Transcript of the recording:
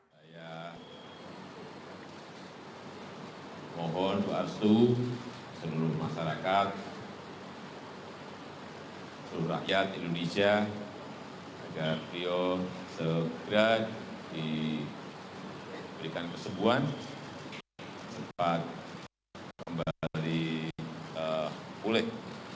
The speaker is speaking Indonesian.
saya mohon pak arstu seluruh masyarakat seluruh rakyat indonesia agar rio segera diberikan kesembuhan sempat kembali pulik